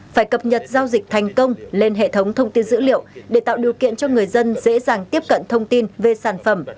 phải cập nhật giao dịch thành công lên hệ thống thông tin dữ liệu để tạo điều kiện cho người dân dễ dàng tiếp cận thông tin về sản phẩm